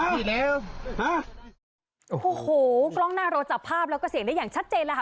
อยู่แล้วฮะโอ้โหกล้องหน้ารถจับภาพแล้วก็เสียงได้อย่างชัดเจนแล้วค่ะ